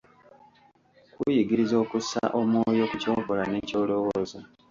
Kuyigiriza okussa omwoyo ku ky'okola ne ky'olowooza.